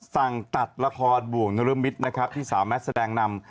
สั่งตัดละครบ่วงนรมิตรนะครับที่สาวแมทแสดงนำ